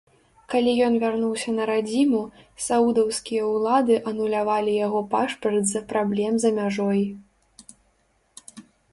Калі ён вярнуўся на радзіму, саудаўскія ўлады анулявалі яго пашпарт з-за праблем за мяжой.